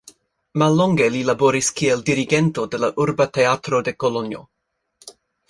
Mallonge li laboris kiel dirigento de la urba teatro de Kolonjo.